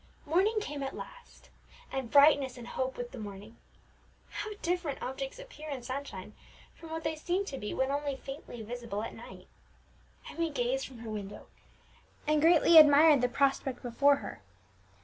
Morning came at last, and brightness and hope with the morning. How different objects appear in sunshine from what they seem to be when only faintly visible at night! Emmie gazed from her window, and greatly admired the prospect before her.